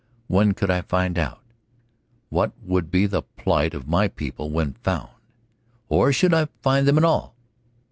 When could I find out? What would be the plight of my people when found? Or should I find them at all?